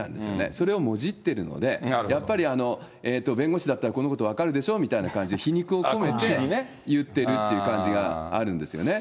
それをもじってるので、やっぱり弁護士だったらこのこと分かるでしょみたいな感じで、皮肉を込めて言ってるっていう感じがあるんですよね。